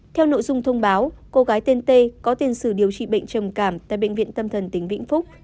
theo nội dung thông báo cô gái tên t có tiền sử điều trị bệnh trầm cảm tại bệnh viện tâm thần tỉnh vĩnh phúc